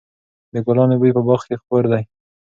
د ګلانو بوی په باغ کې خپور دی.